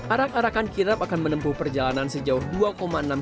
arak arakan kirap akan menempuh perjalanan sejauh dua enam km